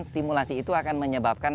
stimulasi itu akan menyebabkan